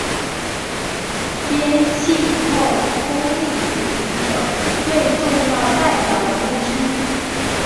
边沁后功利主义的最重要代表人物之一。